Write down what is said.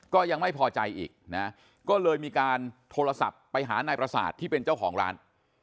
ก็ยังไม่พอใจอีกนะก็เลยมีการโทรศัพท์ไปหานายประสาทที่เป็นเจ้าของร้าน